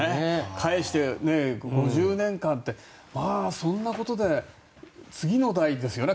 返して、５０年間ってそんなことで次の代ですよね